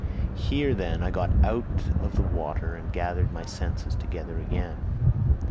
Here, then, I got out of the water and gathered my senses together again.